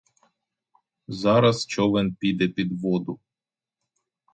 Зараз човен піде під воду.